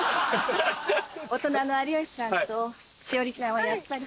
大人の有吉さんと栞里ちゃんはやっぱり